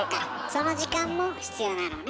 その時間も必要なのね。